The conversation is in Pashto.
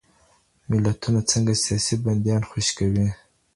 ملتونه څنګه سیاسي بندیان خوشي کوي؟